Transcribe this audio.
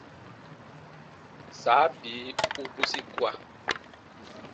Saa bii u bwisi kua.